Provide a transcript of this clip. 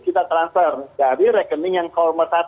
kita transfer dari rekening yang kormer satu